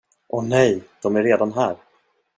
Åh nej, de är redan här.